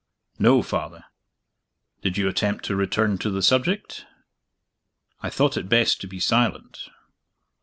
"No, Father." "Did you attempt to return to the subject?" "I thought it best to be silent."